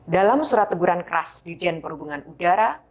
dalam surat teguran keras di jen perhubungan udara